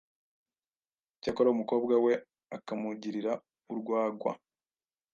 Cyakora umukobwa we akamugurira urwagwa